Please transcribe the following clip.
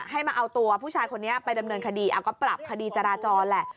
ให้มาเอาตัวผู้ชายคนนี้ไปดำเนินคดีเอาก็ปรับคดีจราจรแหละ